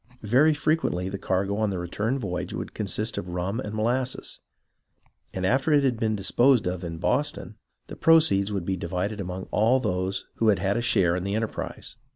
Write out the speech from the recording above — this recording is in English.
Very frequently the cargo on the return voyage THE BEGINNINGS OF THE TROUBLE 9 would consist of rum and molasses, and after it had been disposed of in Boston, the proceeds would be divided among all those who had had a share in the enterprise.